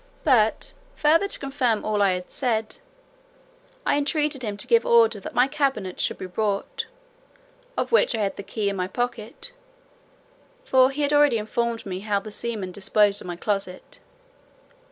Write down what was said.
But further to confirm all I had said, I entreated him to give order that my cabinet should be brought, of which I had the key in my pocket; for he had already informed me how the seamen disposed of my closet.